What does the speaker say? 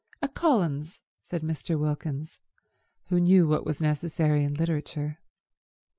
"A Collins," said Mr. Wilkins, who knew what was necessary in literature.